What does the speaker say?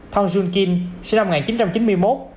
thong jun kin sinh năm một nghìn chín trăm chín mươi một